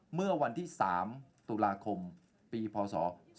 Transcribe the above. เมื่อวันที่๓ตุลาคมปีพศ๒๕๖